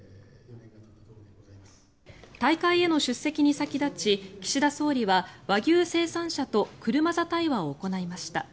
大会への出席に先立ち岸田総理は和牛生産者と車座対話を行いました。